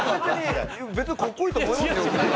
別にかっこいいと思いますよ。